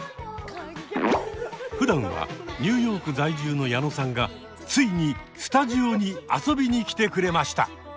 ふだんはニューヨーク在住の矢野さんがついにスタジオに遊びに来てくれました！